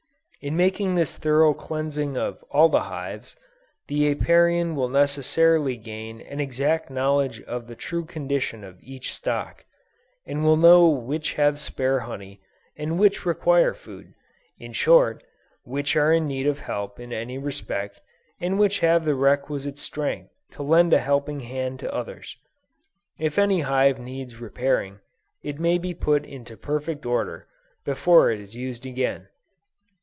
In making this thorough cleansing of all the hives, the Apiarian will necessarily gain an exact knowledge of the true condition of each stock, and will know which have spare honey, and which require food: in short, which are in need of help in any respect, and which have the requisite strength to lend a helping hand to others. If any hive needs repairing, it may be put into perfect order, before it is used again.